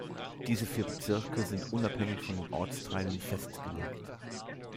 Diese vier Bezirke sind unabhängig von den Ortsteilen festgelegt.